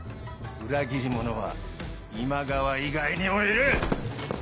裏切り者は今川以外にもいる！